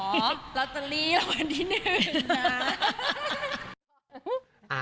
หนาขอเราจะลีละวันที่หนึ่งนะ